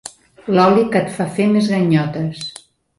L'oli que et fa fer més ganyotes.